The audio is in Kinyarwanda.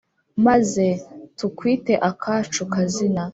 Maze tukwite akacu kazina